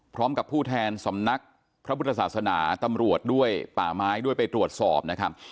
พร้อมกับผู้แทนสำนักพระพุทธศาสนาตำรวจด้วยป่าไม้ด้วยไปตรวจสอบนะครับ